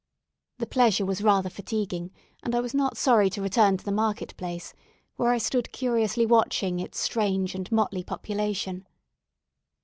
The pleasure was rather fatiguing, and I was not sorry to return to the market place, where I stood curiously watching its strange and motley population.